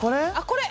これ！